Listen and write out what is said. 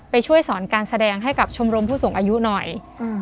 ไปช่วยสอนการแสดงให้กับชมรมผู้สูงอายุหน่อยอืม